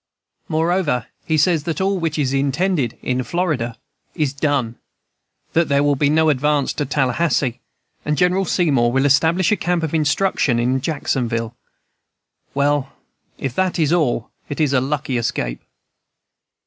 Moreover, he says that all which is intended in Florida is done, that there will be no advance to Tallahassee, and General Seymour will establish a camp of instruction in Jacksonville. Well, if that is all, it is a lucky escape."